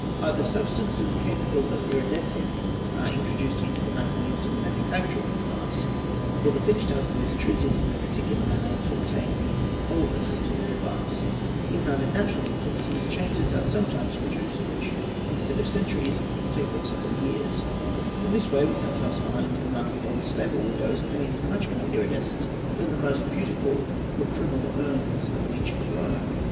Hither substances capable of iridescing are in _ troduced into the matter used in the manufacture of the glass or the _ finished article is treated in a particular manner to obtain the "oldest "' ie ee et ee a eee | he Oe a TSE BASS A ARTA SSeS TMD se glass. Hven under natural influences, changes are sometimes produced which, instead of centuries, take but several years; in this way, we some times find, among old stable windows, panes much more iridescent than the most beautiful lacrymal urns of ancient Rome.